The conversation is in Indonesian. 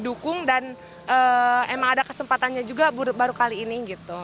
dukung dan emang ada kesempatannya juga baru kali ini gitu